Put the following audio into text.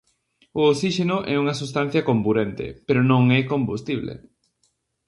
O osíxeno é unha substancia comburente, pero non é combustible.